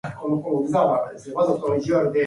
Brumfield Elementary is a double Blue Ribbon school.